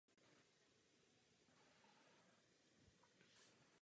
Za tu dobu se nesporně odehrálo mnohé.